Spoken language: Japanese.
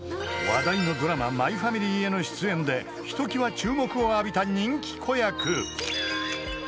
［話題のドラマ『マイファミリー』への出演でひときわ注目を浴びた人気子役］